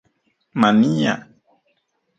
Mania